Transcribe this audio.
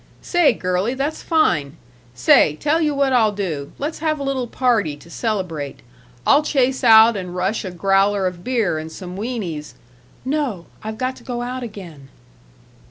Say, girlie, that's fine! Say, tell you what I'll do. Let's have a little party to celebrate. I'll chase out and rush a growler of beer and some wienies " "No! I've got to go out again."